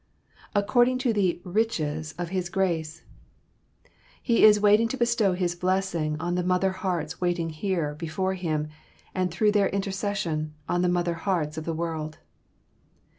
"According to the riches of His grace," He is waiting to bestow His blessings on the mother hearts waiting here, before Him, and through their intercession, on the mother hearts of the world.